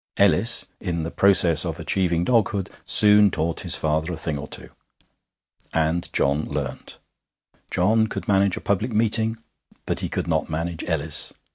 Ellis, in the process of achieving doghood, soon taught his father a thing or two. And John learnt. John could manage a public meeting, but he could not manage Ellis.